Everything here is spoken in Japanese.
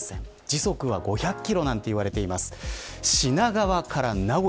時速は５００キロといわれています。